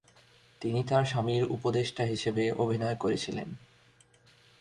তিনি তার স্বামীর উপদেষ্টা হিসাবে অভিনয় করেছিলেন।